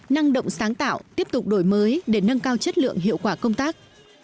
năng động sáng tạo tiếp tục đổi mới để nâng cao chất lượng hiệu quả công tác